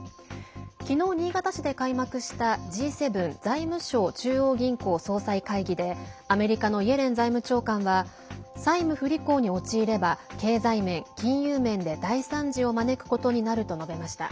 昨日、新潟市で開幕したＧ７財務省・中央銀行総裁会議でアメリカのイエレン財務長官は債務不履行に陥れば経済面、金融面で大惨事を招くことになると述べました。